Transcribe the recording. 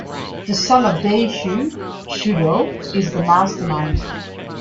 The son of Daishu, Shudo, is the mastermind.